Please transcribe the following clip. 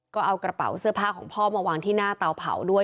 ก็เอากระเป๋าเสื้อผ้าของพ่อมาวางที่หน้าเตาเผาด้วย